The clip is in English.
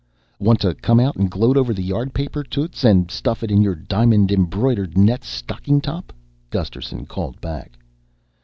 "Want to come out and gloat over the yard paper, Toots, and stuff it in your diamond embroidered net stocking top?" Gusterson called back.